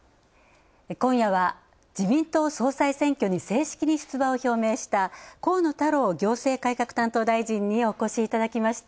今夜は自民党総裁選挙に正式に出馬を表明した河野太郎行政改革担当大臣にお越しいただきました。